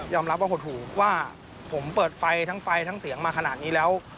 รับว่าหดหูว่าผมเปิดไฟทั้งไฟทั้งเสียงมาขนาดนี้แล้ว